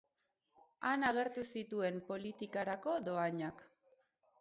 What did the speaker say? Han agertu zituen politikarako dohainak.